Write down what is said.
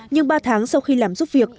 nhưng ba tháng sau khi làm giúp việc